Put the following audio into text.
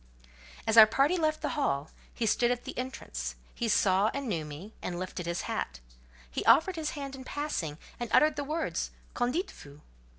As our party left the Hall, he stood at the entrance; he saw and knew me, and lifted his hat; he offered his hand in passing, and uttered the words "Qu'en dites vous?"